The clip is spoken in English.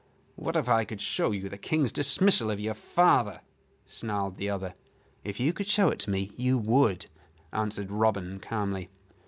"What if I could show you the King's dismissal of your father?" snarled the other. "If you could show it to me, you would," answered Robin, calmly.